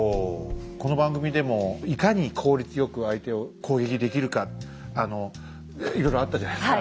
この番組でもいかに効率よく相手を攻撃できるかあのいろいろあったじゃないですか。